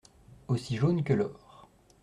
Aussi jaune que l’or.